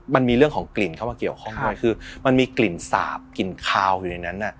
มันมีเรื่องของกลิ่นเข้ามาเกี่ยวข้องด้วยคือมันมีกลิ่นสาบกลิ่นคาวอยู่ในนั้น